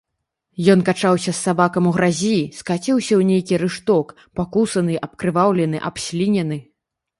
Ён качаўся з сабакам у гразі, скаціўся ў нейкі рышток, пакусаны, абкрываўлены, абслінены.